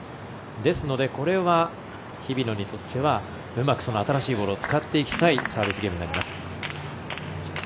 ですのでこれは日比野にとってはうまく新しいボールを使っていきたいサービスゲームになります。